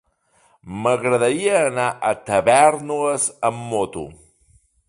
M'agradaria anar a Tavèrnoles amb moto.